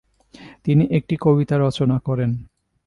তিনি একটি কবিতা রচনা করেন।